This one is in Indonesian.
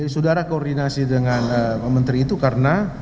saudara koordinasi dengan menteri itu karena